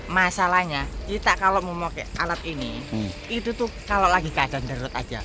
masalahnya kita kalau mau pakai alat ini itu tuh kalau lagi keadaan deret aja